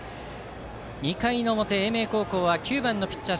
２回の表、英明高校は９番のピッチャー